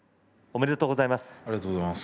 おめでとうございます。